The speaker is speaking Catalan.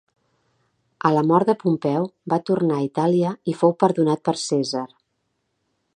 A la mort de Pompeu va tornar a Itàlia i fou perdonat per Cèsar.